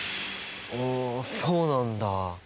おそうなんだ。